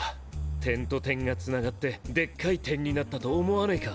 点と点がつながってでっかい点になったと思わねぇか？